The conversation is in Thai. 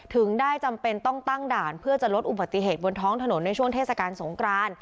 ถึงได้จำเป็นต้องตั้งด่านเพื่อจะลดอุบัติเหตุบนท้องถนนในช่วงเทศกาลสงคราน